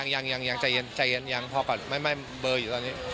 อย่างใจเย็นพอก่อนไม่มีเบอร์อยู่ตอนนี้